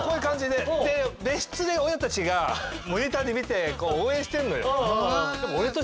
で別室で親たちがモニターで見て応援してんのよ。